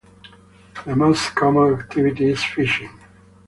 The most common activity is fishing.